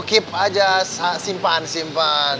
keep aja simpan simpan